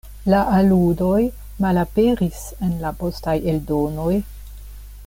La aludoj malaperis en la postaj eldonoj.